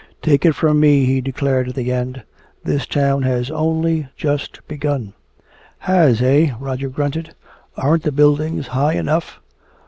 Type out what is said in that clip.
"Take it from me," he declared at the end, "this town has only just begun!" "Has, eh," Roger grunted. "Aren't the buildings high enough?"